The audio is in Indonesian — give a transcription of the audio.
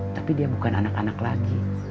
tapi dia bukan anak anak lagi